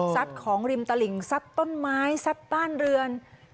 ของริมตลิ่งซัดต้นไม้ซัดบ้านเรือน